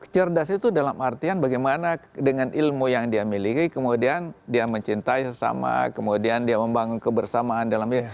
cerdas itu dalam artian bagaimana dengan ilmu yang dia miliki kemudian dia mencintai sesama kemudian dia membangun kebersamaan dalam